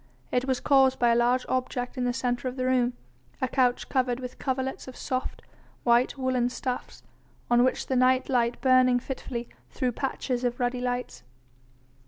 It was caused by a large object in the centre of the room, a couch covered with coverlets of soft, white woollen stuffs, on which the night light burning fitfully threw patches of ruddy lights.